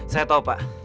saya tahu pak